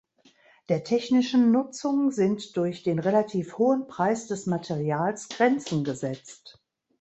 Der technischen Nutzung sind durch den relativ hohen Preis des Materials Grenzen gesetzt.